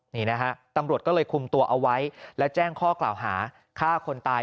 นี่นะฮะตำรวจก็เลยคุมตัวเอาไว้และแจ้งข้อกล่าวหาฆ่าคนตาย